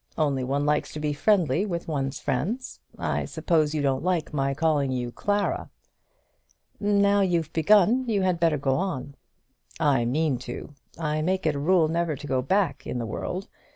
Only one likes to be friendly with one's friends. I suppose you don't like my calling you Clara." "Now you've begun you had better go on." "I mean to. I make it a rule never to go back in the world.